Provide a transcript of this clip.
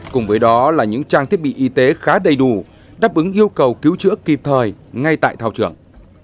cùng với đó là những trang thiết bị y tế khá đầy đủ đáp ứng yêu cầu cứu trữa kịp thời ngay tại thảo trưởng